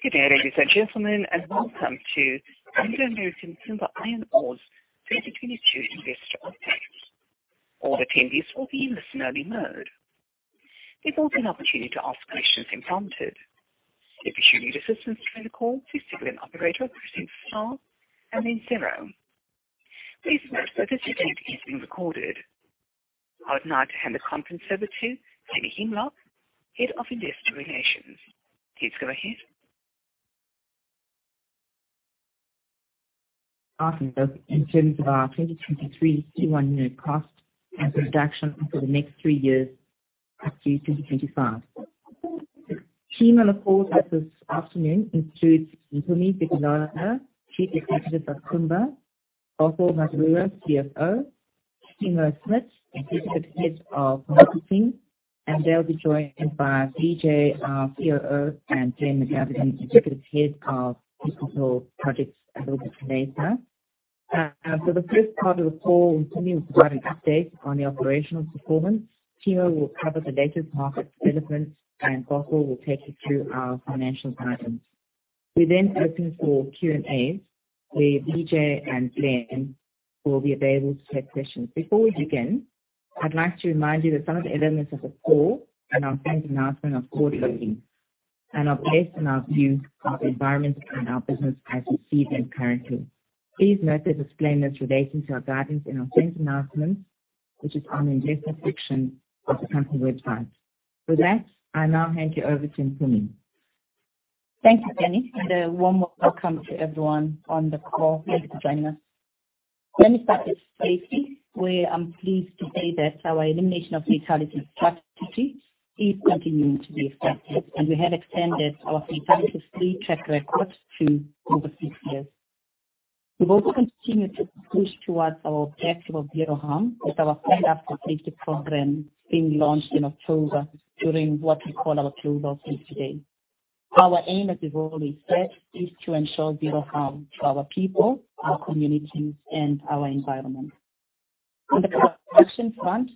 Good day, ladies and gentlemen, welcome to Anglo American Kumba Iron Ore's 2022 Investor Update. All attendees will be in listen-only mode. There's also an opportunity to ask questions impromptu. If you should need assistance during the call, please signal an operator by pressing star and then zero. Please note that this event is being recorded. I would now hand the conference over to Penny Himlok, Head of Investor Relations. Please go ahead. Awesome. In terms of our 2023 Q1 unit cost and production for the next three years up to 2025. Team on the call with us this afternoon includes Mpumi Zikalala, Chief Executive of Kumba. Bothwell Mazarura, CFO. Timo Smit, Executive Head of mining. They'll be joined by Vijay, our COO, and Glen McGavigan, Executive Head of digital projects, a little bit later. The first part of the call, Mpumi will provide an update on the operational performance. Timo will cover the latest market developments, and Bothwell will take you through our financial guidance. We open for Q&A, where Vijay and Glen will be available to take questions. Before we begin, I'd like to remind you that some of the elements of the call and our planned announcement are forward-looking and are based on our view of the environment and our business as we see them currently. Please note the disclaimers relating to our guidance and announced announcements, which is on the investor section of the company website. With that, I now hand you over to Mpumi. Thank you, Penny. A warm welcome to everyone on the call. Thank you for joining us. Let me start with safety, where I'm pleased to say that our elimination of fatality track history is continuing to be effective, and we have extended our fatality-free track record to over six years. We've also continued to push towards our objective of zero harm with our Stand Up for Safety program being launched in October during what we call our toolbox safety day. Our aim, as we've already said, is to ensure zero harm to our people, our communities, and our environment. On the production front,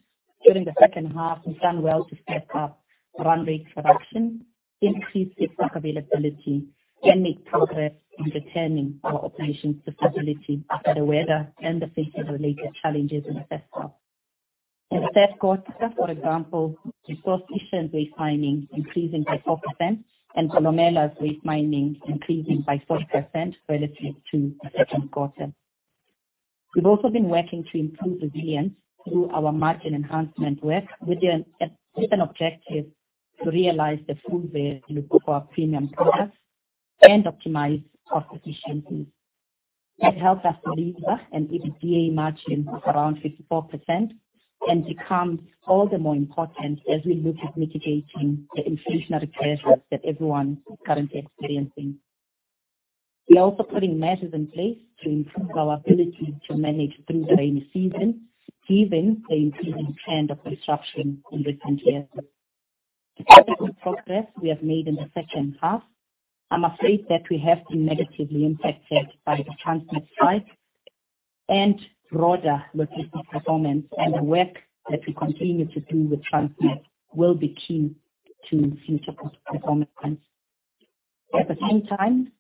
during the second half, we've done well to step up run rate production, increase stock availability, and make progress in returning our operations to stability after the weather and the festival-related challenges in the first half. In the third quarter, for example, Sishen's waste mining increasing by 4% and Kolomela's rate mining increasing by 4% relative to the second quarter. We've also been working to improve resilience through our margin enhancement work with a different objective to realize the full value for our premium products and optimize cost efficiencies. That helped us deliver an EBITDA margin of around 54% and becomes all the more important as we look at mitigating the inflationary pressures that everyone is currently experiencing. We are also putting measures in place to improve our ability to manage through the rainy season, given the increasing trend of disruption in recent years. The progress we have made in the second half, I'm afraid that we have been negatively impacted by the Transnet strike and broader logistics performance, and the work that we continue to do with Transnet will be key to future performance plans. At the same time,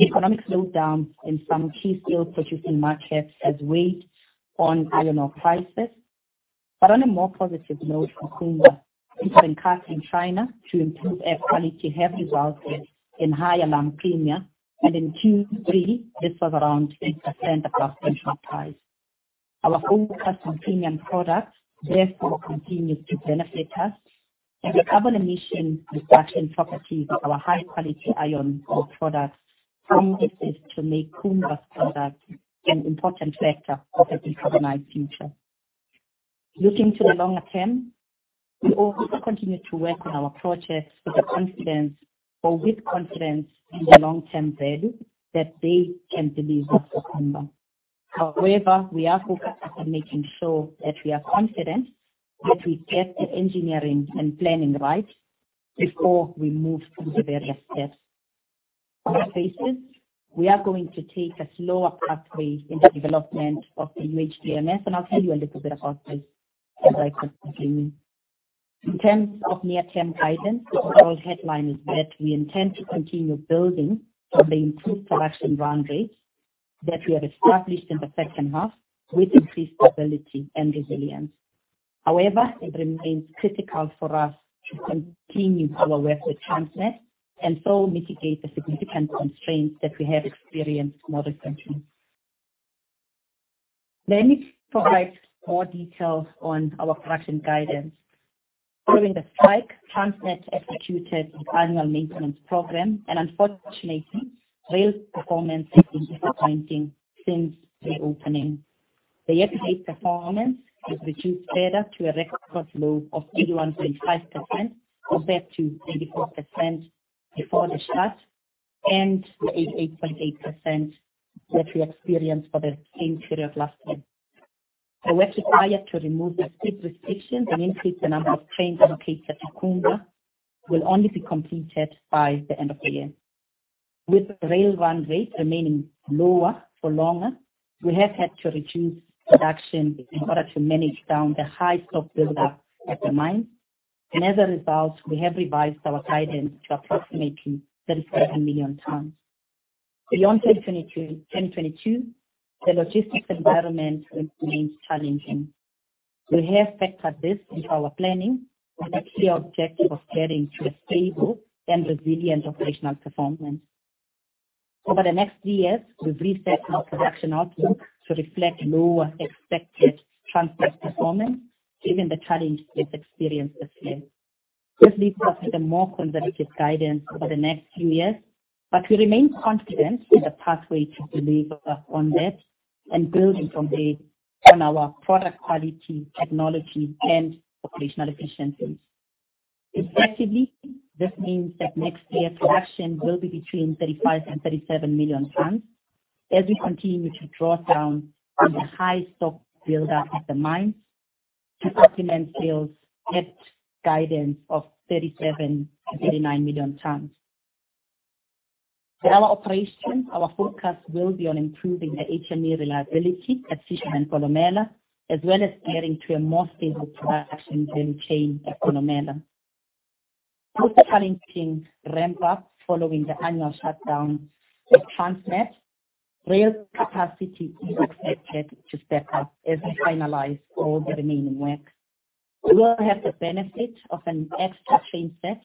economic slowdowns in some key steel-producing markets has weighed on iron ore prices. On a more positive note for Kumba, efforts in China to improve air quality have resulted in higher lump premium, and in Q3, this was around 8% above benchmark price. Our focus on premium products, therefore, continues to benefit us. The carbon emission reduction properties of our high-quality iron ore products positions to make Kumba's products an important factor of a decarbonized future. Looking to the longer term, we also continue to work on our projects with the confidence or with confidence in the long-term value that they can deliver for Kumba. We are focused on making sure that we are confident that we get the engineering and planning right before we move through the various steps. On this basis, we are going to take a slower pathway in the development of the UHDMS, I'll tell you a little bit about this as I continue. In terms of near-term guidance, the overall headline is that we intend to continue building on the improved production run rates that we have established in the second half with increased stability and resilience. It remains critical for us to continue our work with Transnet and so mitigate the significant constraints that we have experienced more recently. Penny provides more details on our production guidance. During the strike, Transnet executed an annual maintenance program. Unfortunately, rail performance has been disappointing since the reopening. The year-to-date performance has reduced further to a record low of 81.5%, compared to 84% before the start and the 88.8% that we experienced for the same period last year. The work required to remove the speed restrictions and increase the number of trains allocated to Kumba will only be completed by the end of the year. With rail run rate remaining lower for longer. We have had to reduce production in order to manage down the high stock buildup at the mine. As a result, we have revised our guidance to approximately 37 million tons. Beyond 2022, the logistics environment remains challenging. We have factored this into our planning with a clear objective of getting to a stable and resilient operational performance. Over the next three years, we've reset our production outlook to reflect lower expected Transnet performance given the challenges we've experienced this year. This leads us to the more conservative guidance over the next few years, but we remain confident in the pathway to deliver on that and on our product quality, technology, and operational efficiencies. Effectively, this means that next year production will be between 35 million and 37 million tons as we continue to draw down on the high stock buildup at the mines to augment sales at guidance of 37 million-39 million tons. In our operations, our focus will be on improving the HME reliability at Sishen and Kolomela, as well as getting to a more stable production train chain at Kolomela. With the challenging ramp-up following the annual shutdown of Transnet, rail capacity is expected to step up as we finalize all the remaining work. We will have the benefit of an extra train set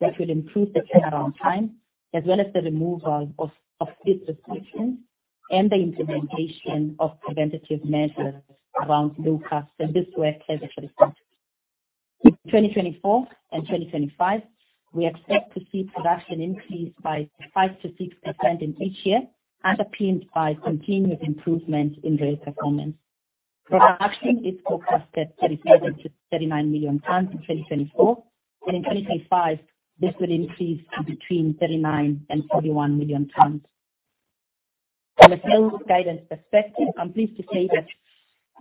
that will improve the turnaround time, as well as the removal of speed restrictions and the implementation of preventative measures around Locos. This work has begun. In 2024 and 2025, we expect to see production increase by 5%-6% in each year, underpinned by continuous improvement in rail performance. Production is focused at 37 million-39 million tons in 2024, and in 2025 this will increase to between 39 million and 41 million tons. From a sales guidance perspective, I'm pleased to say that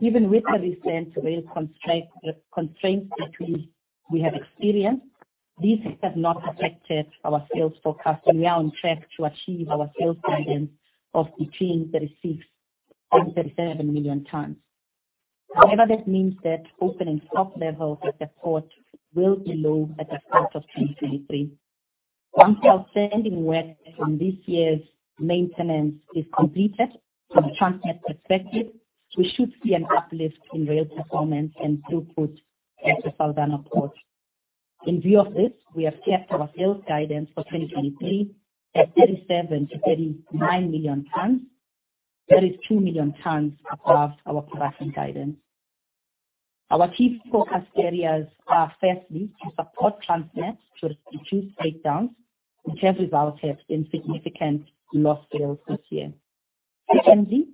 even with the recent rail constraints that we have experienced, these have not affected our sales forecast. We are on track to achieve our sales guidance of between 36 and 37 million tons. However, that means that opening stock levels at the port will be low at the start of 2023. Once our standing work from this year's maintenance is completed from a Transnet perspective, we should see an uplift in rail performance and throughput at the Saldanha Port. In view of this, we have kept our sales guidance for 2023 at 37-39 million tons. That is 2 million tons above our production guidance. Our key focus areas are, firstly, to support Transnet to reduce breakdowns, which have resulted in significant lost sales this year. Secondly,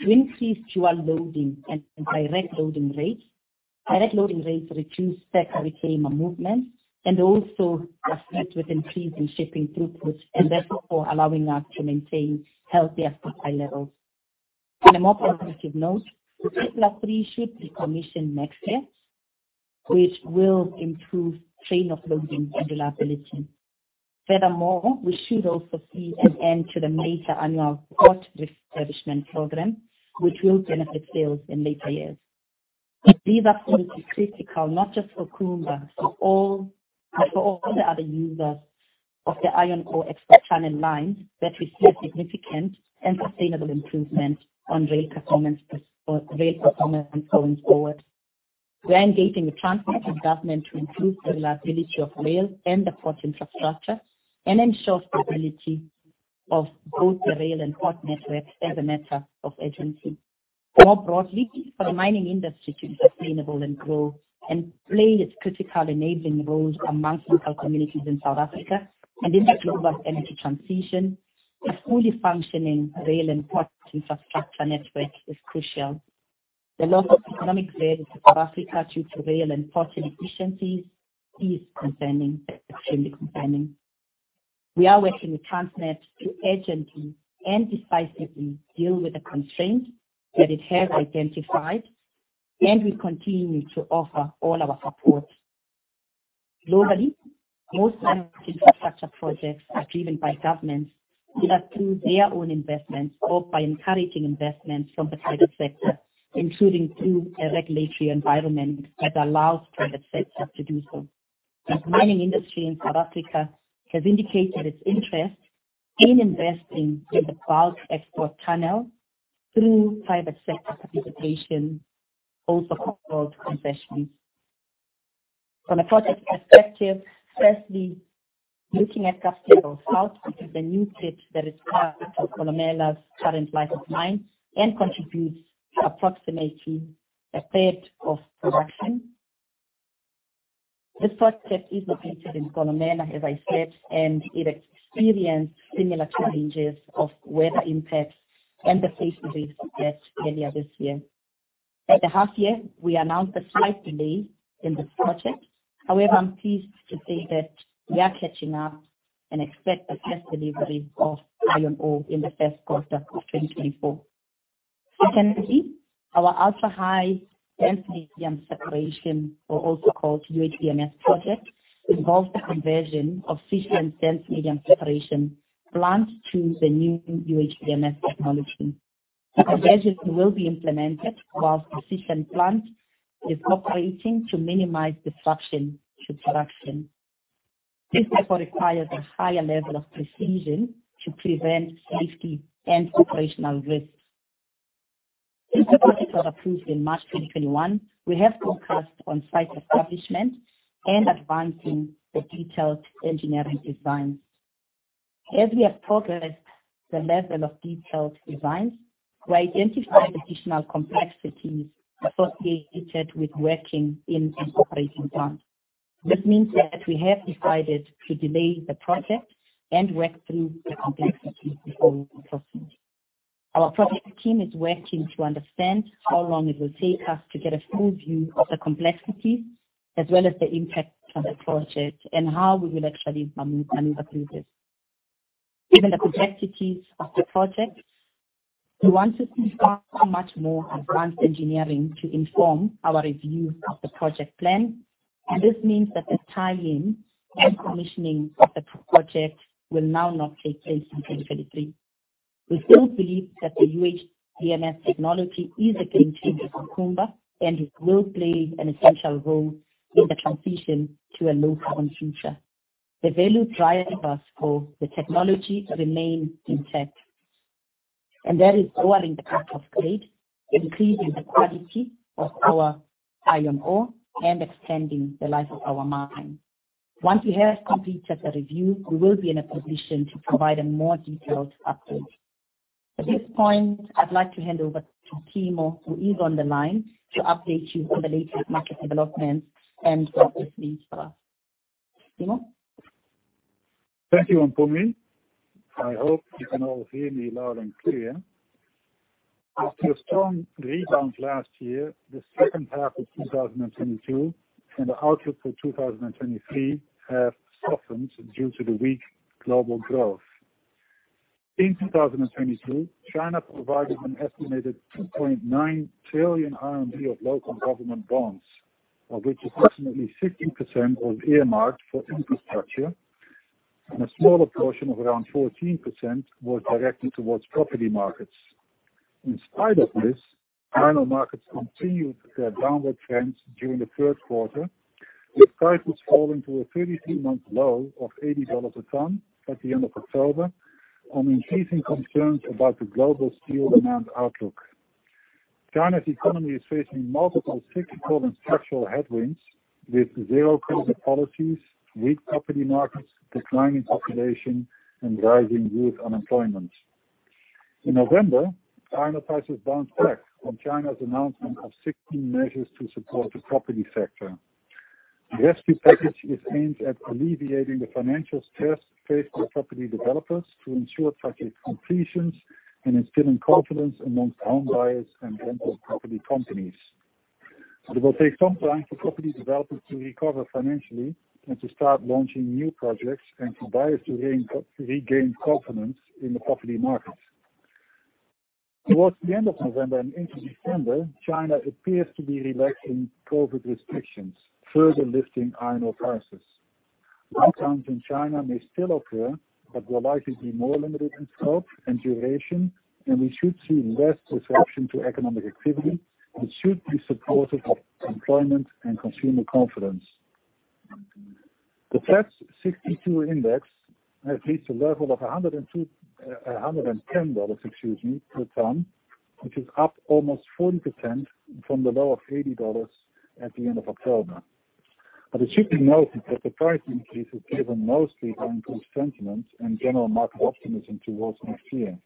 to increase dual loading and direct loading rates. Direct loading rates reduce stack reclaimer movements and also reflect with increased in shipping throughput, and therefore allowing us to maintain healthier stock high levels. On a more positive note, a Tippler 3 ship will be commissioned next year, which will improve train offloading and reliability. Furthermore, we should also see an end to the major annual port refurbishment program, which will benefit sales in later years. It is absolutely critical, not just for Kumba, but for all the other users of the Iron Ore Export Channel line that we see a significant and sustainable improvement on rail performance going forward. We are engaging with Transnet and government to improve the reliability of rail and the port infrastructure and ensure stability of both the rail and port networks as a matter of urgency. More broadly, for the mining industry to be sustainable and grow and play its critical enabling roles amongst local communities in South Africa and in the global energy transition, a fully functioning rail and port infrastructure network is crucial. The loss of economic value to South Africa due to rail and port inefficiencies is concerning. Extremely concerning. We are working with Transnet to urgently and decisively deal with the constraints that it has identified, and we continue to offer all our support. Globally, most infrastructure projects are driven by governments, either through their own investments or by encouraging investments from the private sector, including through a regulatory environment that allows private sector to do so. The mining industry in South Africa has indicated its interest in investing in the bulk export channel through private sector participation, also called concessions. From a project perspective, firstly, looking at Kapstevel South, which is the new pit that is part of Kolomela's current life of mine and contributes approximately a third of production. This project is located in Kolomela, as I said, and it experienced similar challenges of weather impacts and the safety risks that earlier this year. At the half year, we announced a slight delay in this project. However, I'm pleased to say that we are catching up and expect the first delivery of iron ore in the first quarter of 2024. Secondly, our Ultra High Dense Media Separation, or also called UHDMS project, involves the conversion of Sishen dense media separation plant to the new UHDMS technology. The project will be implemented while the Sishen plant is operating to minimize disruption to production. This therefore requires a higher level of precision to prevent safety and operational risks. Since the project was approved in March 2021, we have focused on site establishment and advancing the detailed engineering design. As we have progressed the level of detailed designs, we identified additional complexities associated with working in an operating plant. This means that we have decided to delay the project and work through the complexities before we proceed. Our project team is working to understand how long it will take us to get a full view of the complexities as well as the impact on the project and how we will actually maneuver through this. Given the complexities of the project, we want to conduct much more advanced engineering to inform our review of the project plan, and this means that the tie-in and commissioning of the project will now not take place in 2023. We still believe that the UHDMS technology is a game-changer for Kumba, and it will play an essential role in the transition to a low-carbon future. The value drivers for the technology remain intact, and that is lowering the cost of grade, increasing the quality of our iron ore, and extending the life of our mine. Once we have completed the review, we will be in a position to provide a more detailed update. At this point, I'd like to hand over to Timo, who is on the line to update you on the latest market developments and what this means for us. Timo? Thank you, Mpumi. I hope you can all hear me loud and clear. After a strong rebound last year, the second half of 2022 and the outlook for 2023 have softened due to the weak global growth. In 2022, China provided an estimated 2.9 trillion RMB of local government bonds, of which approximately 50% was earmarked for infrastructure, and a smaller portion of around 14% was directed towards property markets. In spite of this, iron ore markets continued their downward trends during the third quarter, with prices falling to a 33-month low of $80 per ton at the end of October on increasing concerns about the global steel demand outlook. China's economy is facing multiple significant structural headwinds, with zero COVID policies, weak property markets, declining population, and rising youth unemployment. In November, iron ore prices bounced back on China's announcement of 16 measures to support the property sector. The rescue package is aimed at alleviating the financial stress faced by property developers to ensure project completions and instilling confidence amongst home buyers and rental property companies. It will take some time for property developers to recover financially and to start launching new projects, and for buyers to regain confidence in the property market. Towards the end of November and into December, China appears to be relaxing COVID restrictions, further lifting iron ore prices. Lockdowns in China may still occur, but they're likely to be more limited in scope and duration, and we should see less disruption to economic activity, which should be supportive of employment and consumer confidence. The Platts 62% Index has reached a level of $110, excuse me, per ton, which is up almost 40% from the low of $80 at the end of October. It should be noted that the price increase is driven mostly by improved sentiment and general market optimism towards next year.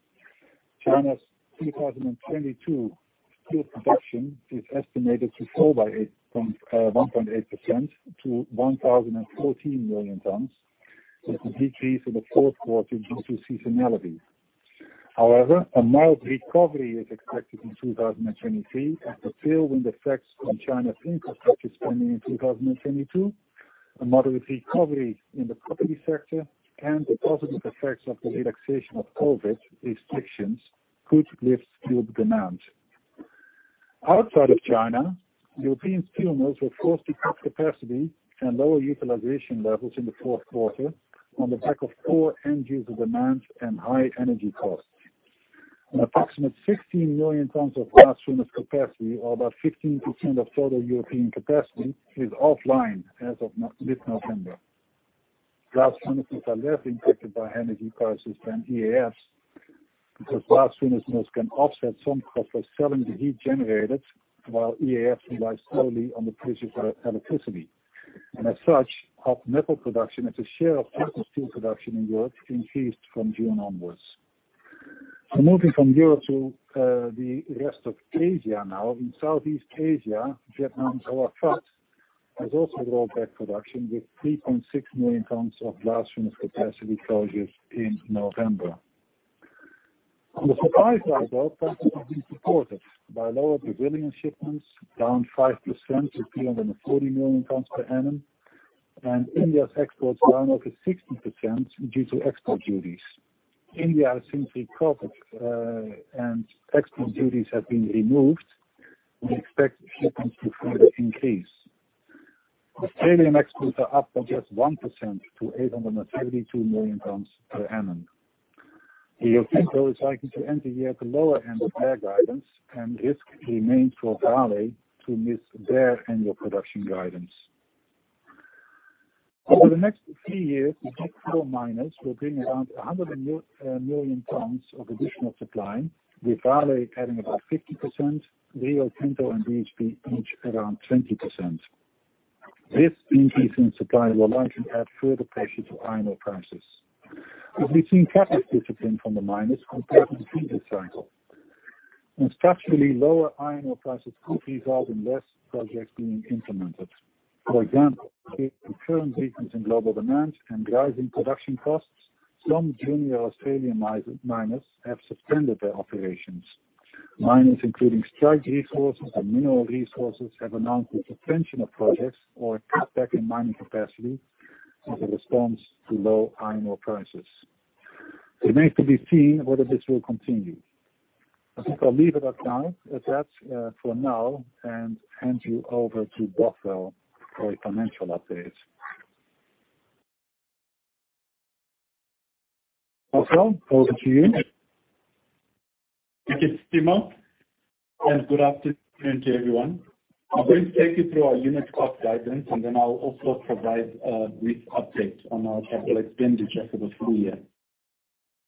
China's 2022 steel production is estimated to fall by 1.8% to 1,014 million tons, with a decrease in the fourth quarter due to seasonality. A mild recovery is expected in 2023 as the tailwind effects from China's infrastructure spending in 2022, a moderate recovery in the property sector, and the positive effects of the relaxation of COVID restrictions could lift steel demand. Outside of China, European steel mills were forced to cut capacity and lower utilization levels in the fourth quarter on the back of poor end user demand and high energy costs. An approximate 16 million tons of blast furnace capacity, or about 15% of total European capacity, is offline as of mid-November. Blast furnaces are less impacted by energy prices than EAFs, because blast furnace mills can offset some costs by selling the heat generated, while EAFs rely solely on the price of electricity. As such, hot metal production as a share of total steel production in Europe increased from June onwards. Moving from Europe to the rest of Asia now. In Southeast Asia, Vietnam's Hoa Phat has also rolled back production with 3.6 million tons of blast furnace capacity closures in November. On the supply side, though, prices have been supported by lower Brazilian shipments, down 5% to 340 million tons per annum. India's exports run over 60% due to export duties. India since recovered, and export duties have been removed. We expect shipments to further increase. Australian exports are up by just 1% to 872 million tons per annum. Rio Tinto is likely to enter the year at the lower end of their guidance, and risk remains for Vale to miss their annual production guidance. Over the next three years, the Big Four miners will bring around 100 million tons of additional supply, with Vale adding about 50%, Rio Tinto and BHP each around 20%. This increase in supply will likely add further pressure to iron ore prices. We've seen capital discipline from the miners compared to the previous cycle. Structurally lower iron ore prices could result in less projects being implemented. For example, with the current weakness in global demand and rising production costs, some junior Australian miners have suspended their operations. Miners including Strike Resources and Mineral Resources have announced the suspension of projects or a cutback in mining capacity as a response to low iron ore prices. It remains to be seen whether this will continue. I think I'll leave it at that for now, and hand you over to Bothwell for a financial update. Bothwell, over to you. Thank you, Timo, and good afternoon to everyone. I'll first take you through our unit cost guidance, and then I'll also provide a brief update on our capital expenditure for the full year.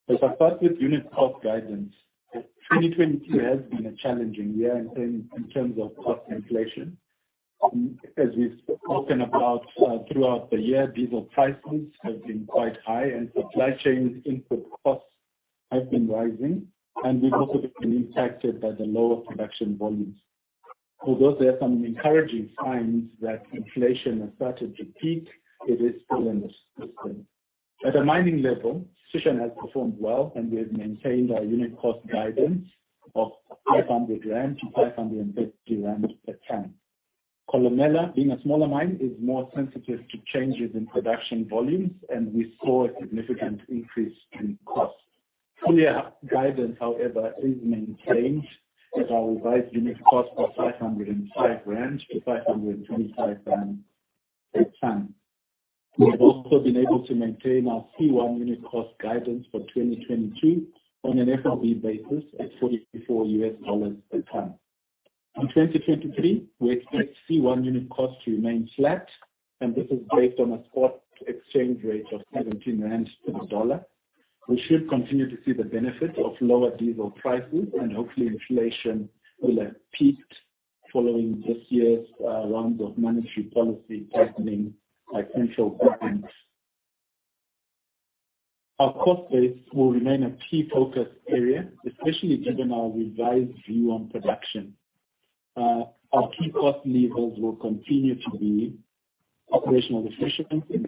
If I start with unit cost guidance, 2022 has been a challenging year in terms of cost inflation. As we've spoken about throughout the year, diesel prices have been quite high and supply chains input costs have been rising, and we've also been impacted by the lower production volumes. Although there are some encouraging signs that inflation has started to peak, it is still in the system. At a mining level, Sishen has performed well, and we have maintained our unit cost guidance of 500-550 rand a ton. Kolomela, being a smaller mine, is more sensitive to changes in production volumes, and we saw a significant increase in costs. Full year guidance, however, is maintained at our revised unit cost of ZAR 505-ZAR 525 a ton. We have also been able to maintain our C1 unit cost guidance for 2022 on an FOB basis at $44 a ton. In 2023, we expect C1 unit cost to remain flat, and this is based on a spot exchange rate of 17 rand to the dollar. We should continue to see the benefit of lower diesel prices, and hopefully inflation will have peaked following this year's round of monetary policy tightening by central banks. Our cost base will remain a key focus area, especially given our revised view on production. Our key cost levers will continue to be operational efficiencies.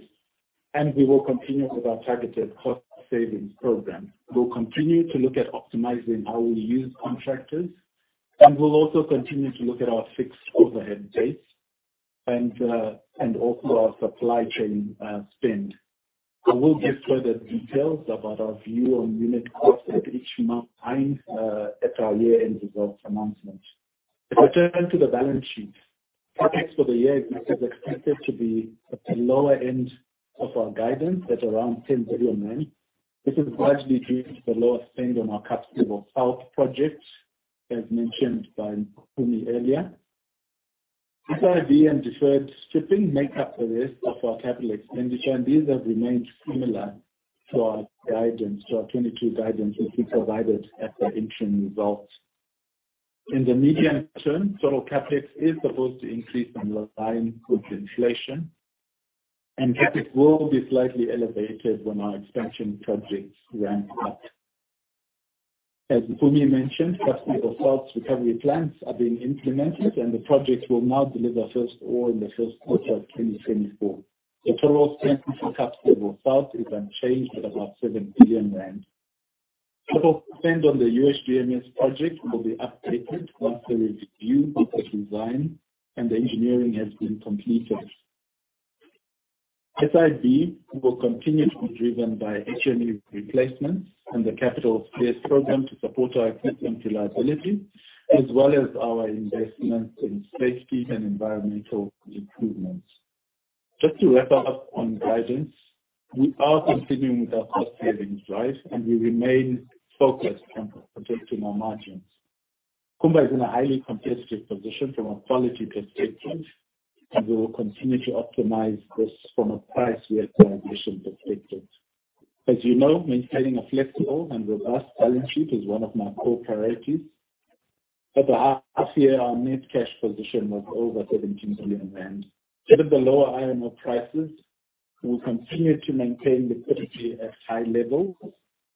We will continue with our targeted cost savings program. We'll continue to look at optimizing how we use contractors. We'll also continue to look at our fixed overhead base and also our supply chain spend. I will give further details about our view on unit costs at each mine at our year-end results announcement. If I turn to the balance sheet, CapEx for the year is expected to be at the lower end of our guidance at around 10 billion. This is largely due to the lower spend on our Kapstevel South project, as mentioned by Mpumi earlier. SIB and deferred stripping make up the rest of our capital expenditure. These have remained similar to our guidance, to our 2022 guidance that we provided at the interim results. In the medium term, total CapEx is supposed to increase on the line with inflation, and CapEx will be slightly elevated when our expansion projects ramp up. As Mpumi mentioned, Kapstevel South recovery plans are being implemented, and the project will now deliver first ore in the first quarter of 2024. The total spend for Kapstevel South is unchanged at about 7 billion rand. Total spend on the UHDMS project will be updated once there is view of the design and the engineering has been completed. SIB will continue to be driven by HME replacements and the capital spares program to support our equipment reliability, as well as our investment in safety and environmental improvements. Just to wrap up on guidance, we are continuing with our cost savings drive, and we remain focused on protecting our margins. Kumba is in a highly competitive position from a quality perspective. We will continue to optimize this from a price realization perspective. As you know, maintaining a flexible and robust balance sheet is one of my core priorities. At the half year, our net cash position was over 17 billion rand. Given the lower iron ore prices, we'll continue to maintain liquidity at high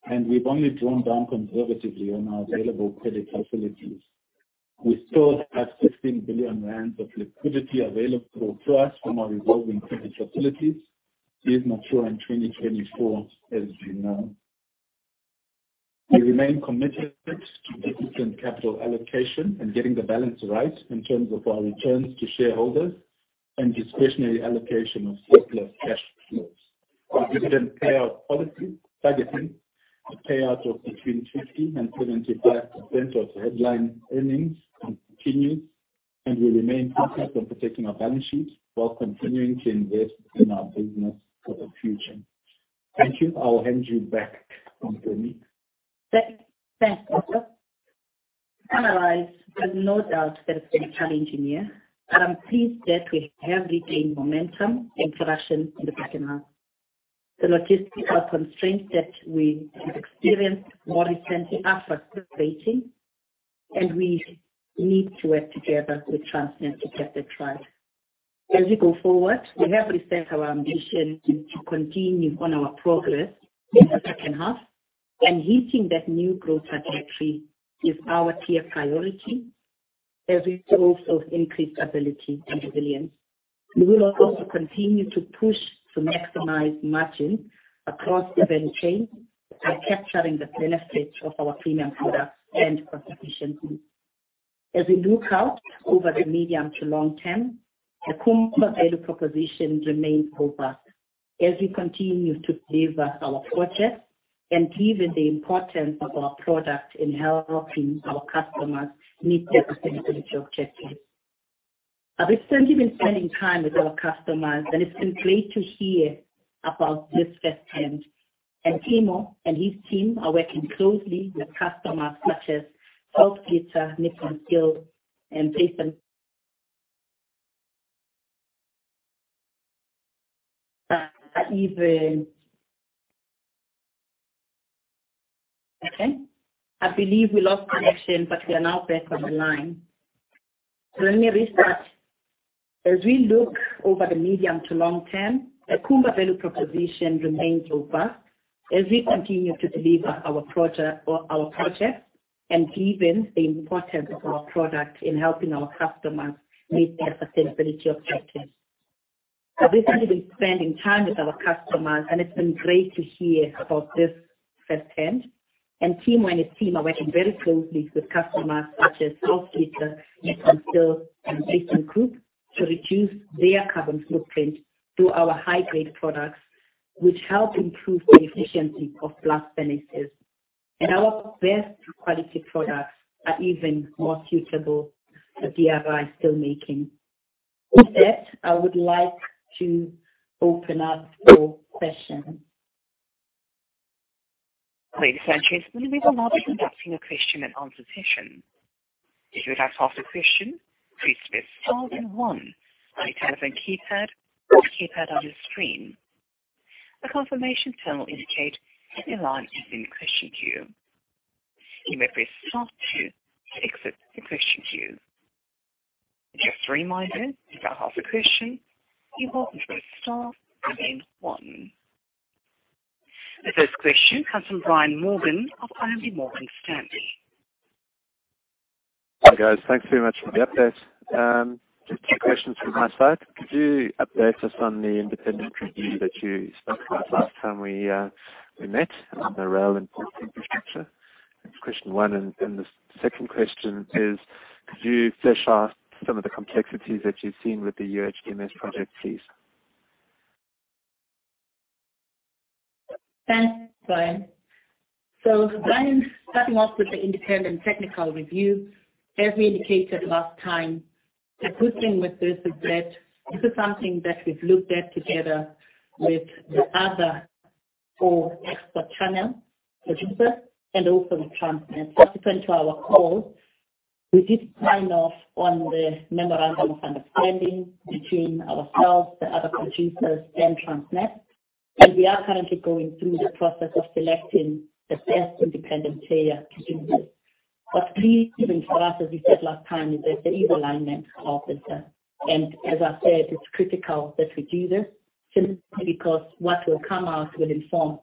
levels. We've only drawn down conservatively on our available credit facilities. We still have 15 billion rand of liquidity available to us from our revolving credit facilities. These mature in 2024, as you know. We remain committed to dividend capital allocation and getting the balance right in terms of our returns to shareholders and discretionary allocation of surplus cash flows. Our dividend payout policy targeting a payout of between 50% and 75% of headline earnings continues. We remain focused on protecting our balance sheet while continuing to invest in our business for the future. Thank you. I'll hand you back to Mpumi. Thanks, Bothwell. There's no doubt that it's been a challenging year, but I'm pleased that we have retained momentum and production in the second half. The logistical constraints that we have experienced more recently are frustrating, and we need to work together with Transnet to get that right. As we go forward, we have reset our ambition to continue on our progress in the second half, and hitting that new growth trajectory is our key priority as a source of increased ability and resilience. We will also continue to push to maximize margins across the value chain by capturing the benefits of our premium products and cost efficiency. As we look out over the medium to long term, the Kumba value proposition remains robust as we continue to deliver our projects and given the importance of our product in helping our customers meet their sustainability objectives. I've recently been spending time with our customers, and it's been great to hear about this firsthand. Timo and his team are working closely with customers such as South32, Nippon Steel and JFE Steel. Are even—okay. I believe we lost connection, but we are now back on the line. Let me restart. As we look over the medium to long term, the Kumba value proposition remains robust as we continue to deliver our projects, and given the importance of our product in helping our customers meet their sustainability objectives. I've recently been spending time with our customers, and it's been great to hear about this firsthand. Timo and his team are working very closely with customers such as South32, Nippon Steel and JFE Group to reduce their carbon footprint through our high-grade products, which help improve the efficiency of blast furnaces. Our best quality products are even more suitable for DRI steel making. With that, I would like to open up for questions. Ladies and gents, we will now be conducting a question and answer session. If you would like to ask a question, please press star then one on your telephone keypad or keypad on your screen. A confirmation tone will indicate that your line is in the question queue. You may press star two to exit the question queue. Just a reminder, if you want to ask a question, you will press star then one. The first question comes from Brian Morgan of RMB Morgan Stanley. Hi, guys. Thanks very much for the update. Just a few questions from my side. Could you update us on the independent review that you spoke about last time we met on the rail and port infrastructure? That's question one. The second question is, could you flesh out some of the complexities that you've seen with the UHDMS project, please? Thanks, Brian. Brian, starting off with the independent technical review. As we indicated last time, the good thing with this is that this is something that we've looked at together with the other four export channel producers and also with Transnet. Subsequent to our call, we did sign off on the memorandum of understanding between ourselves, the other producers and Transnet. We are currently going through the process of selecting the best independent player to do this. What's pleasing for us, as we said last time, is that there is alignment of this. As I said, it's critical that we do this simply because what will come out will inform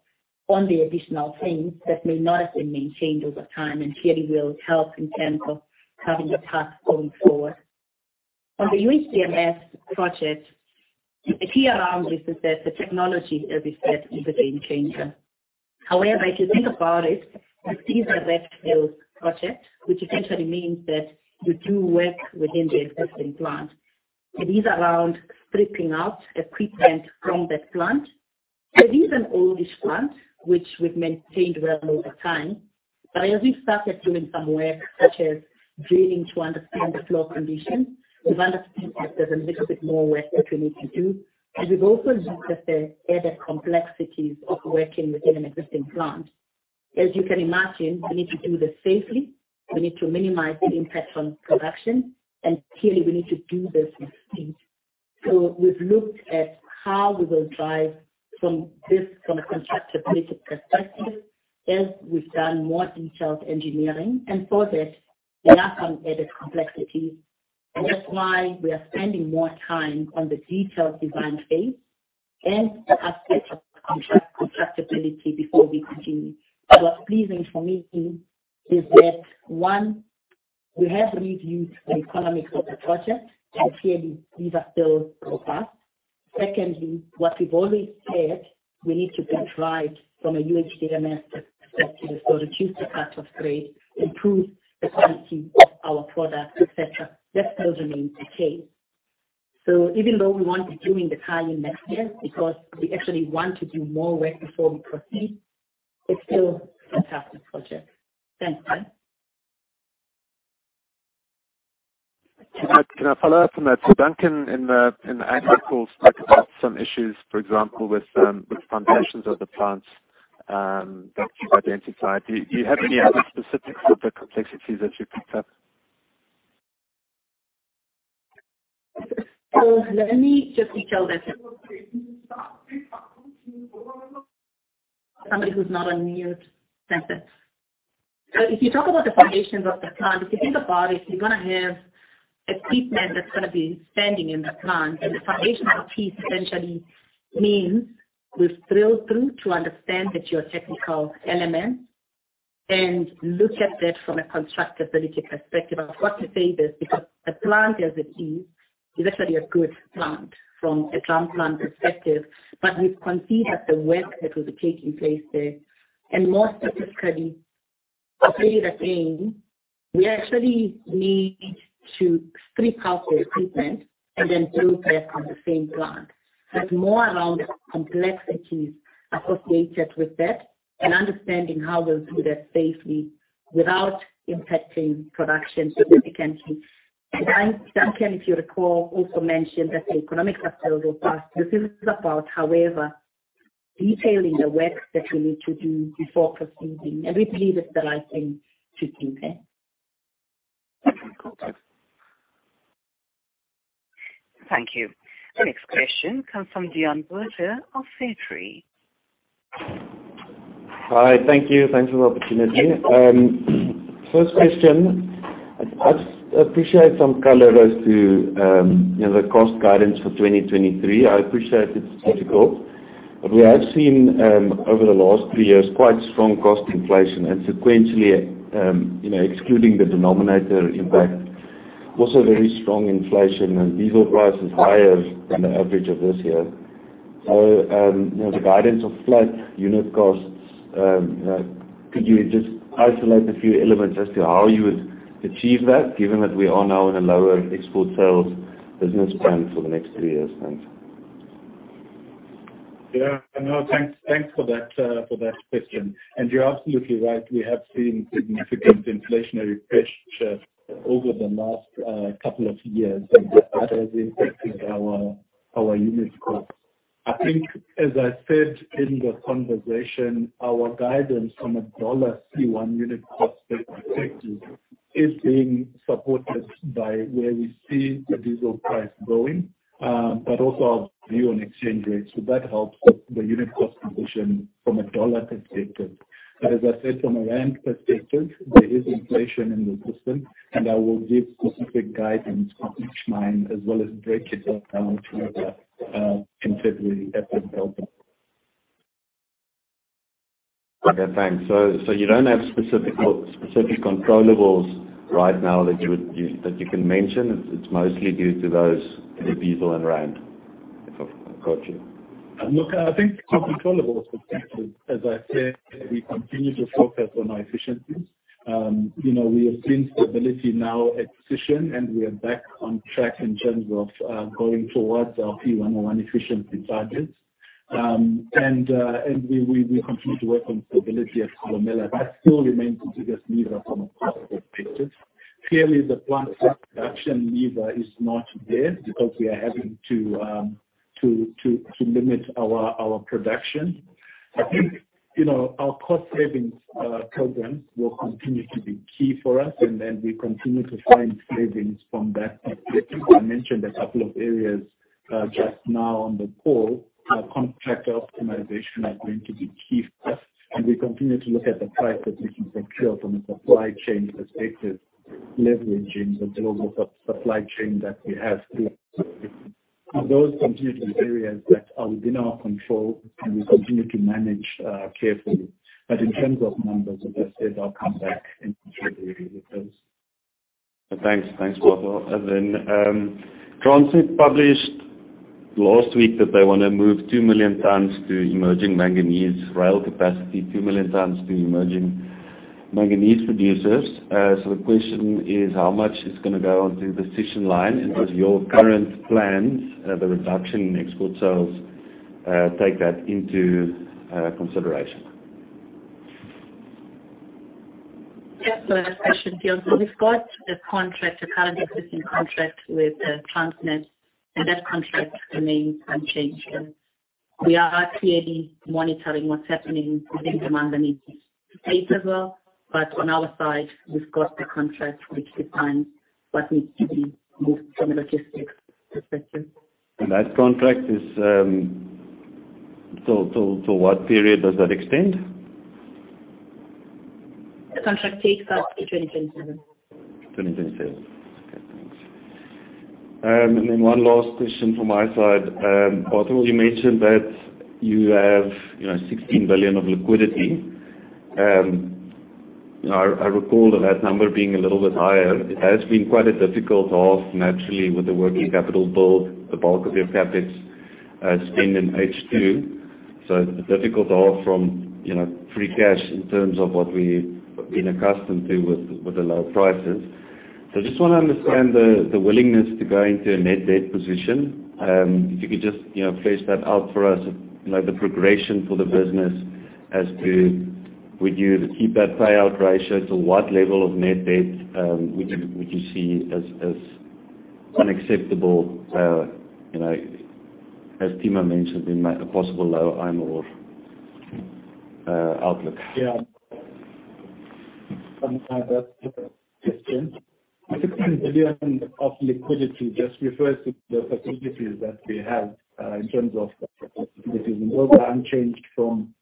on the additional things that may not have been maintained over time and clearly will help in terms of having a path going forward. On the UHDMS project, the key around this is that the technology, as we said, is a game changer. If you think about it, this is a retro project, which essentially means that you do work within the existing plant. It is around stripping out equipment from that plant. It is an oldish plant, which we've maintained well over time. As we've started doing some work, such as drilling to understand the floor conditions, we've understood that there's a little bit more work that we need to do. We've also looked at the added complexities of working within an existing plant. As you can imagine, we need to do this safely. We need to minimize the impact on production. Clearly, we need to do this with speed. We've looked at how we will drive from this, from a constructability perspective, as we've done more detailed engineering. For that, there are some added complexities. That's why we are spending more time on the detailed design phase and the aspect of contract constructability before we continue. What's pleasing for me is that. One, we have reviewed the economics of the project, and clearly these are still robust. Secondly, what we've always said we need to get right from a UHDMS perspective. Reduce the cut-off grade, improve the quality of our product, et cetera. That still remains the case. Even though we won't be doing the tie-in next year, because we actually want to do more work before we proceed, it's still a fantastic project. Thanks, Brian. Can I follow up on that? Duncan, in the annual call, spoke about some issues, for example, with foundations of the plants, that you've identified. Do you have any other specifics of the complexities that you picked up? Let me just retail that. Somebody who's not on mute. Thanks, Brian. If you talk about the foundations of the plant, if you think about it, you're gonna have equipment that's gonna be standing in the plant. The foundation of piece essentially means we've drilled through to understand that your technical elements and look at that from a constructability perspective. I've got to say this because the plant as it is actually a good plant from a transplant perspective, but we've conceived that the work that was taking place there. More specifically, I'll say it again, we actually need to strip out the equipment and then build back on the same plant. It's more around complexities associated with that and understanding how we'll do that safely without impacting production significantly. Dan, Duncan, if you recall, also mentioned that the economics are still robust. This is about, however, detailing the work that we need to do before proceeding, and we believe it's the right thing to do there. Okay, cool. Thanks. Thank you. The next question comes from Deon Burger of Citi. Hi. Thank you. Thanks for the opportunity. First question. I'd appreciate some color as to, you know, the cost guidance for 2023. I appreciate it's difficult, but we have seen, over the last three years, quite strong cost inflation and sequentially, you know, excluding the denominator impact, also very strong inflation and diesel price is higher than the average of this year. The guidance of flat unit costs, you know, could you just isolate a few elements as to how you would achieve that given that we are now in a lower export sales business plan for the next three years? Thanks. Thanks for that for that question. You're absolutely right. We have seen significant inflationary pressures over the last couple of years, and that has impacted our unit costs. I think as I said in the conversation, our guidance from a dollar C1 unit cost perspective is being supported by where we see the diesel price going, but also our view on exchange rates. That helps with the unit cost position from a dollar perspective. As I said from a rand perspective, there is inflation in the system, and I will give specific guidance on each mine as well as break it down further in February at the telco. Okay, thanks. So you don't have specific controllables right now that you can mention? It's mostly due to those, the diesel and Rand, if I've got you? I think so controllable. As I said, we continue to focus on our efficiencies. You know, we have seen stability now at position, and we are back on track in terms of going towards our P101 efficiency targets. We continue to work on stability at Kolomela. That still remains the biggest lever from a cost perspective. Clearly, the plant production lever is not there because we are having to limit our production. I think, you know, our cost savings programs will continue to be key for us, we continue to find savings from that perspective. I mentioned a couple of areas just now on the call. Our contract optimization are going to be key for us, and we continue to look at the price that we can procure from a supply chain perspective, leveraging the global supply chain that we have too. Those continue to be areas that are within our control, and we continue to manage carefully. In terms of numbers, as I said, I'll come back in February with those. Thanks. Thanks, Bothwell. Transnet published last week that they wanna move 2 million tons to emerging manganese rail capacity, 2 million tons to emerging manganese producers. The question is how much is gonna go onto the Sishen line, and does your current plans, the reduction in export sales, take that into consideration? Yes. A question, Deon. We've got a contract, a current existing contract with Transnet, and that contract remains unchanged. We are clearly monitoring what's happening within Transnet to date as well, but on our side, we've got the contract which defines what needs to be moved from a logistics perspective. That contract is, till what period does that extend? The contract takes us to 2027. 2027. One last question from my side. Also, you mentioned that you have, you know, 16 billion of liquidity. I recall that number being a little bit higher. It has been quite a difficult half naturally with the working capital build, the bulk of your CapEx spend in H2. A difficult half from, you know, free cash in terms of what we've been accustomed to with the low prices. I just want to understand the willingness to go into a net debt position. If you could just, you know, flesh that out for us, like the progression for the business as to would you keep that payout ratio? To what level of net debt would you see as unacceptable? You know, as Timo mentioned, in a possible low iron ore outlook. Yeah. Sometimes that's different. 16 billion of liquidity just refers to the facilities that we have in terms of the facilities. Those are unchanged from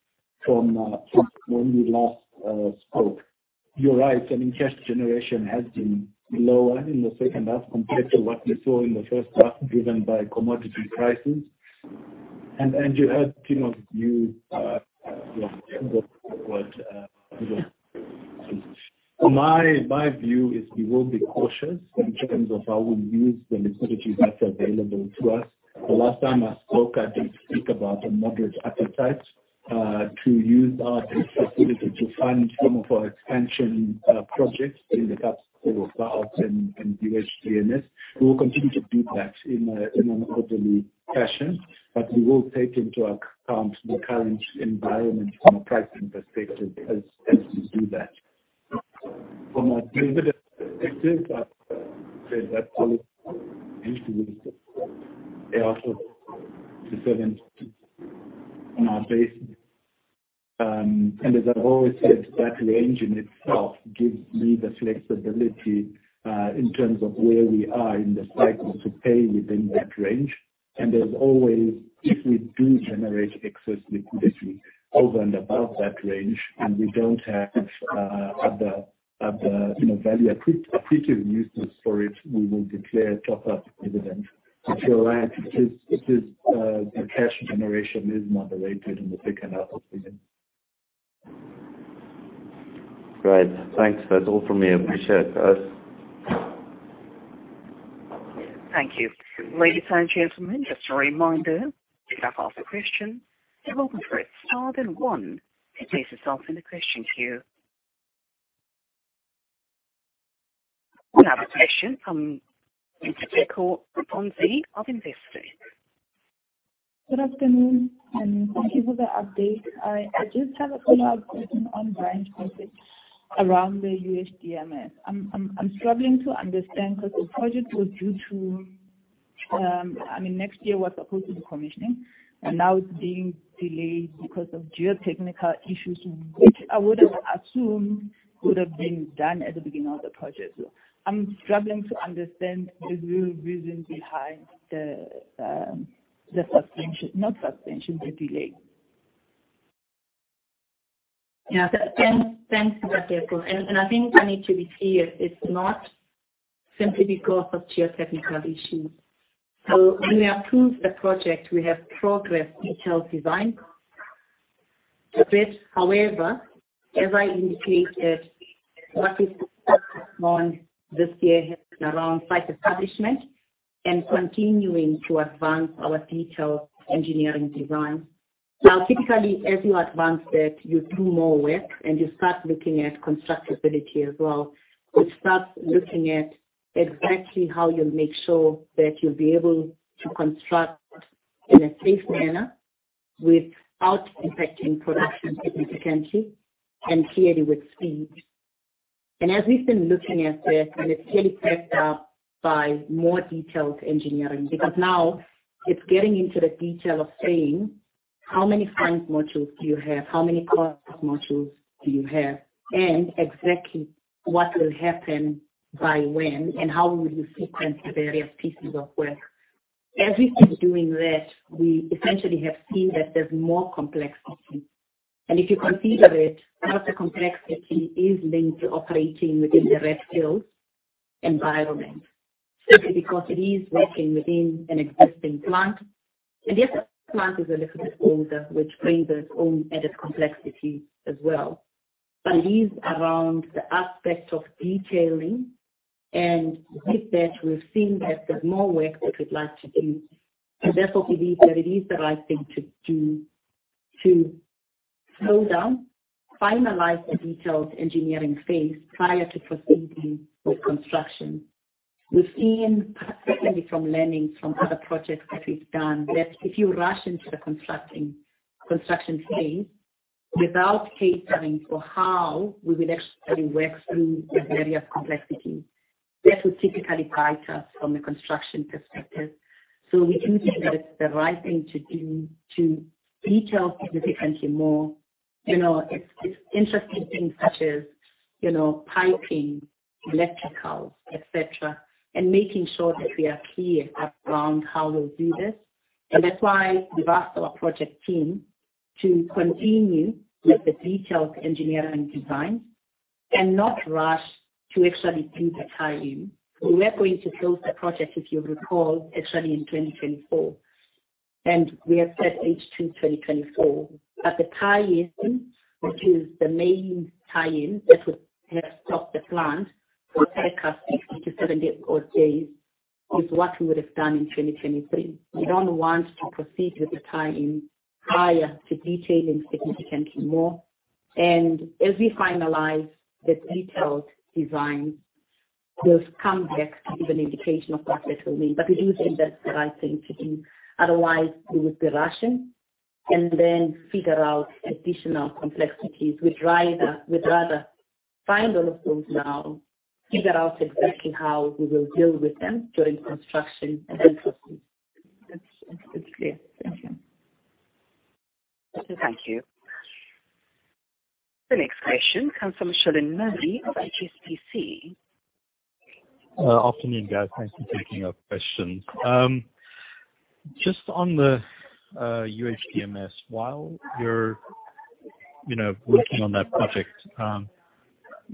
when we last spoke. You're right. I mean, cash generation has been lower in the second half compared to what we saw in the first half, driven by commodity prices. You heard Timo view, you know, what My view is we will be cautious in terms of how we use the liquidity that's available to us. The last time I spoke, I did speak about a moderate appetite to use our facility to fund some of our expansion projects in the CapEx for North and UHDMS. We will continue to do that in an orderly fashion. We will take into account the current environment from a pricing perspective as we do that. From a dividend perspective, said that on our basis. As I've always said, that range in itself gives me the flexibility in terms of where we are in the cycle to pay within that range. There's always, if we do generate excess liquidity over and above that range, and we don't have, you know, value accretive uses for it, we will declare a top-up dividend. You're right, the cash generation is moderated in the second half of the year. Great. Thanks. That's all from me. Appreciate it. Thanks. Thank you. Ladies and gentlemen, just a reminder, if you have to ask a question, you're welcome to hit star then one to place yourself in the question queue. We now have a question from Nkateko Mathonsi of Investec. Good afternoon. Thank you for the update. I just have a follow-up question on Brian's topic around the UHDMS. I'm struggling to understand 'cause the project was due to, I mean, next year was supposed to be commissioning, and now it's being delayed because of geotechnical issues, which I would have assumed would have been done at the beginning of the project. I'm struggling to understand the real reason behind the suspension. Not suspension, the delay. Yeah. thanks, Nkateko. I think I need to be clear, it's not simply because of geotechnical issues. When we approved the project, we have progressed detailed design. The bit, however, as I indicated, what we've focused on this year has been around site establishment and continuing to advance our detailed engineering design. Now, typically, as you advance that, you do more work, and you start looking at constructability as well. You start looking at exactly how you'll make sure that you'll be able to construct in a safe manner without impacting production significantly and clearly with speed. As we've been looking at this, and it's clearly backed up by more detailed engineering, because now it's getting into the detail of saying, how many fines modules do you have? How many coarse modules do you have? Exactly what will happen by when, and how will you sequence the various pieces of work? As we keep doing that, we essentially have seen that there's more complexity. If you consider it, part of the complexity is linked to operating within the brownfields environment, simply because it is working within an existing plant. Yes, the plant is a little bit older, which brings its own added complexity as well. It is around the aspect of detailing, and with that, we've seen that there's more work that we'd like to do. Therefore, we believe that it is the right thing to do to slow down, finalize the detailed engineering phase prior to proceeding with construction. We've seen, particularly from learnings from other projects that we've done, that if you rush into the construction phase without catering for how we will actually work through the various complexities, that would typically bite us from a construction perspective. We think that it's the right thing to do to detail significantly more. You know, it's interesting things such as, you know, piping, electrical, et cetera, and making sure that we are clear around how we'll do this. That's why we've asked our project team to continue with the detailed engineering designs. Not rush to actually do the tie-in. We were going to close the project, if you recall, actually in 2024, and we have set H2 2024. The tie-in, which is the main tie-in that would have stopped the plant, would take us 60 to 70 days, is what we would have done in 2023. We don't want to proceed with the tie-in prior to detailing significantly more. As we finalize the detailed design, we'll come back to give an indication of what that will mean. We do think that's the right thing to do. Otherwise we would be rushing and then figure out additional complexities. We'd rather find all of those now, figure out exactly how we will deal with them during construction and then proceed. It's clear. Thank you. The next question comes from Shilan Modi of HSBC. Afternoon, guys. Thanks for taking our question. Just on the UHDMS, while you're, you know, working on that project,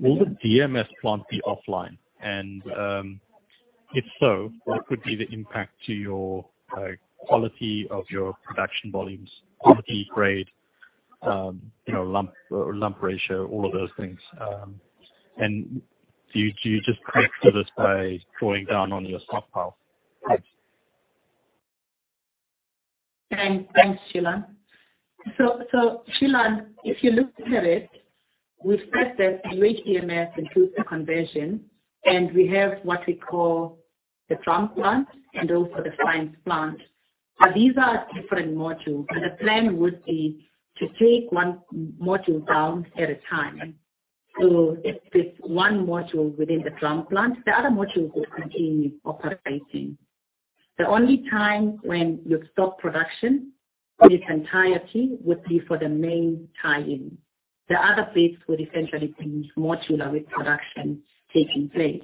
will the DMS plant be offline? If so, what could be the impact to your quality of your production volumes, quality grade, you know, lump ratio, all of those things. Do you just correct for this by drawing down on your stockpile? Thanks, Shilan. Shilan, if you look at it, we've said that UHDMS includes the conversion, and we have what we call the drum plant and also the fines plant. These are different modules, and the plan would be to take one module down at a time. If it's one module within the drum plant, the other modules will continue operating. The only time when you stop production in its entirety would be for the main tie-in. The other bits would essentially be modular, with production taking place.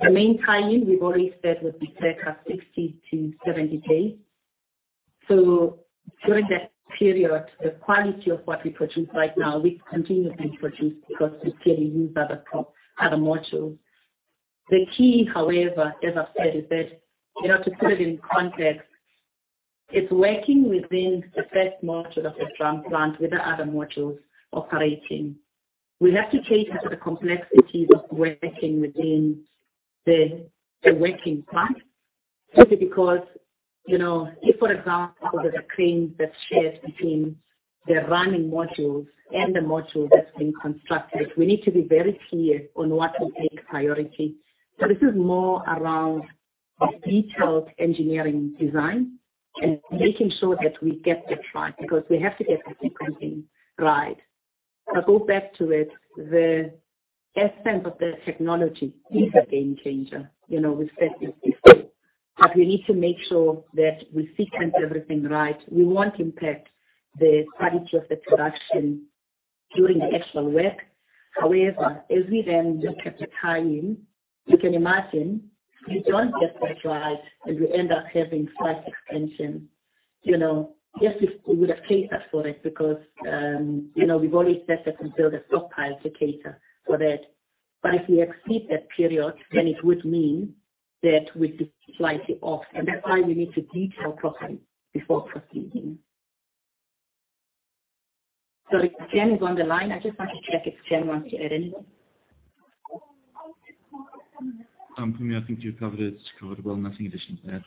The main tie-in, we've already said, would be set up 60 to 70 days. During that period, the quality of what we produce right now, we continue to produce because we clearly use other modules. The key, however, as I've said, is that, you know, to put it in context, it's working within the first module of the drum plant with the other modules operating. We have to cater for the complexities of working within the working plant, simply because, you know, if for example, there's a crane that's shared between the running modules and the module that's being constructed, we need to be very clear on what will take priority. This is more around the detailed engineering design and making sure that we get that right because we have to get the sequencing right. I go back to it, the essence of the technology is a game changer. You know, we've said this before, but we need to make sure that we sequence everything right. We won't impact the quality of the production during the actual work. As we then look at the tie-in, you can imagine if you don't get that right and you end up having slight extension. You know, yes, we would have catered for it because, you know, we've already set up and built a stockpile to cater for that. If we exceed that period, it would mean that we'd be slightly off. That's why we need to detail properly before proceeding. Sorry, if Vij is on the line, I just want to check if Vij wants to add anything. For me, I think you've covered it. It's covered well. Nothing additional to add.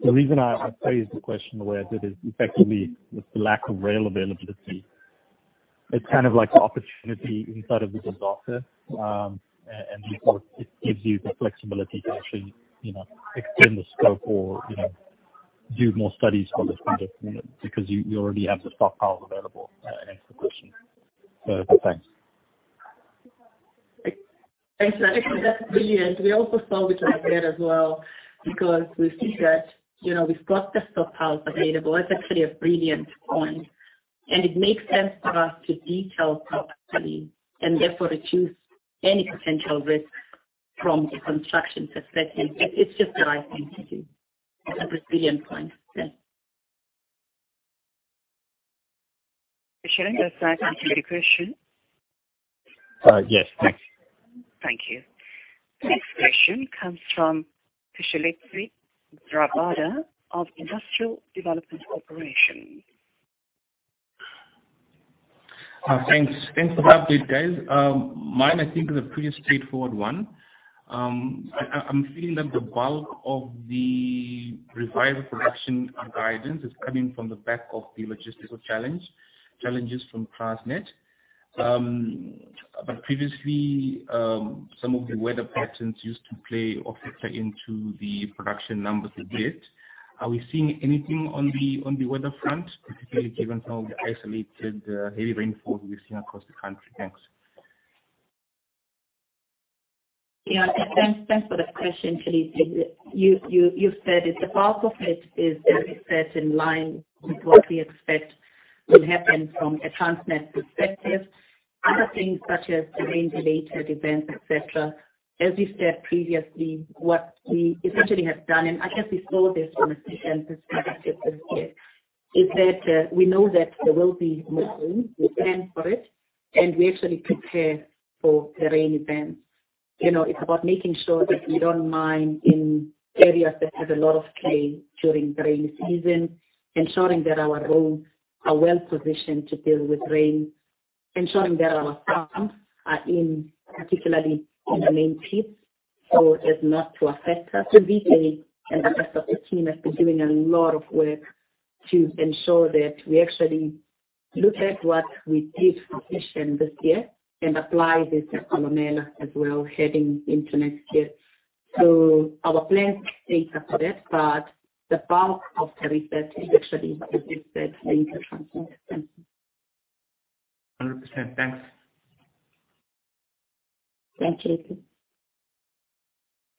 The reason I phrased the question the way I did is effectively with the lack of rail availability, it's kind of like opportunity inside of the disaster. And therefore it gives you the flexibility to actually, you know, extend the scope or, you know, do more studies for this project because you already have the stockpile available to answer the question. Thanks. Thanks. That's brilliant. We also saw the target as well because we see that, you know, we've got the stockpiles available. That's actually a brilliant point. It makes sense for us to detail properly and therefore reduce any potential risk from the construction perspective. It's just the right thing to do. That's a brilliant point. Yes. Shilan, does that answer your question? Yes. Thanks. Thank you. The next question comes from Tshilidzi Rabada of Industrial Development Corporation. Thanks. Thanks for the update, guys. Mine I think is a pretty straightforward one. I'm feeling that the bulk of the revised production guidance is coming from the back of the logistical challenges from Transnet. Previously, some of the weather patterns used to play or factor into the production numbers a bit. Are we seeing anything on the weather front, particularly given some of the isolated heavy rainfall we've seen across the country? Thanks. Yeah. Thanks for that question, Tshilidzi. You said it. The bulk of it is very much in line with what we expect will happen from a Transnet perspective. Other things such as the rain-related events, et cetera. As we said previously, what we essentially have done, and I guess we saw this from a season perspective this year, is that we know that there will be more rain. We plan for it, and we actually prepare for the rain events. You know, it's about making sure that we don't mine in areas that have a lot of clay during rainy season. Ensuring that our roads are well-positioned to deal with rain. Ensuring that our farms are in, particularly in the main pits, so as not to affect us. Vijay and the rest of the team have been doing a lot of work to ensure that we actually look at what we did for Sishen this year and apply this at Kolomela as well heading into next year. Our plans cater for that, but the bulk of the risk is actually, as you said, linked to Transnet. Thank you. 100%. Thanks. Thank you.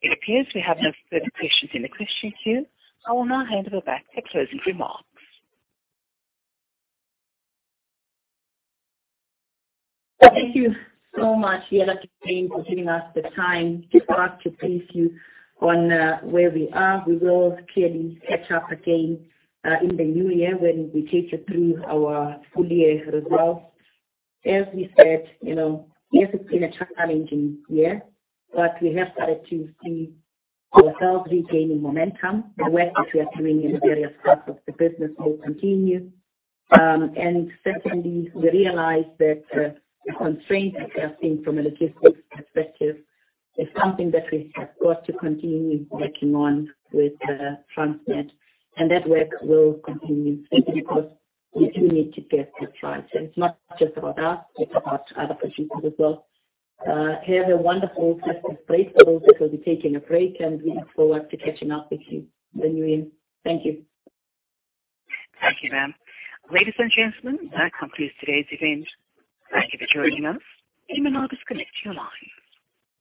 It appears we have no further questions in the question queue. I will now hand over back for closing remarks. Thank you so much, for giving us the time to start to brief you on where we are. We will clearly catch up again in the new year when we take you through our full year results. As we said, you know, yes, it's been a challenging year, but we have started to see ourselves regaining momentum. The work that we are doing in the various parts of the business will continue. Certainly we realize that the constraints we are seeing from a logistics perspective is something that we have got to continue working on with Transnet. That work will continue simply because we do need to get this right. It's not just about us, it's about other producers as well. Have a wonderful festive break. We'll also be taking a break, and we look forward to catching up with you in the new year. Thank you. Thank you, ma'am. Ladies and gentlemen, that concludes today's event. Thank you for joining us. You may now disconnect your lines.